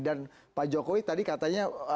dan pak jokowi tadi katanya